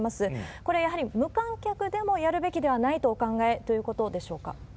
これやはり、無観客でもやるべきではないとお考えということでしょうか？